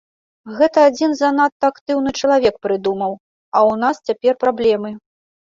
Гэта адзін занадта актыўны чалавек прыдумаў, а ў нас цяпер праблемы.